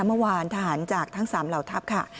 เมื่อวานทหารจากทั้ง๓เหล่าทัพค่ะ